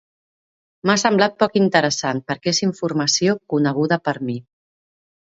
M'ha semblat poc interessant perquè és informació coneguda per a mi.